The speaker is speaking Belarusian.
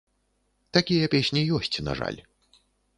Такія песні ёсць, на жаль.